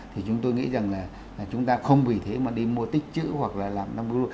thì chúng tôi nghĩ rằng là chúng ta không vì thế mà đi mua tích chữ hoặc là làm năm